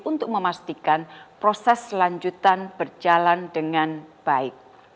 untuk memastikan proses selanjutan berjalan dengan baik